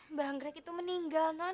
mbak anggrek itu meninggal